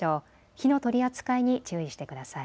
火の取り扱いに注意してください。